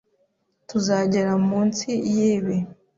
Tuzagera munsi yibi.